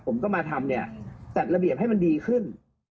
ผมก็มาทำเนี่ยจัดระเบียบให้มันดีขึ้น